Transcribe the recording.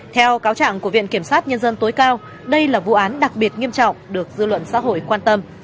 theo cáo trạng của viện kiểm sát nhân dân tối cao đây là vụ án đặc biệt nghiêm trọng được dư luận xã hội quan tâm